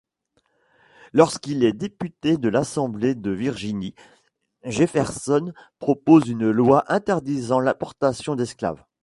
Lorsqu'il est député à l'assemblée de Virginie, Jefferson propose une loi interdisant l'importation d'esclaves.